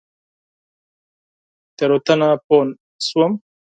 غلطي پوه شوم.